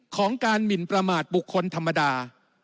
ของการหมินประมาทบุคคลธรรมดา